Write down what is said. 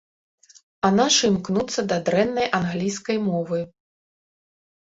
А нашы імкнуцца да дрэннай англійскай мовы.